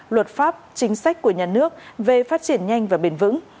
luật pháp chính sách của nhà nước về phát triển nhanh và bền vững